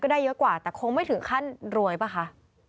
ได้เยอะกว่าแต่คงไม่ถึงขั้นรวยป่ะคะ